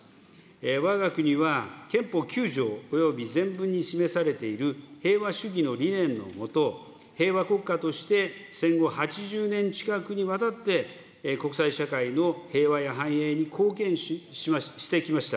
わが国は、憲法９条および前文に示されている平和主義の理念の下、平和国家として、戦後８０年近くにわたって、国際社会の平和や繁栄に貢献してきました。